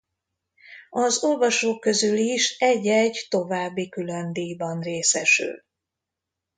Az olvasók közül is egy-egy további különdíjban részesül.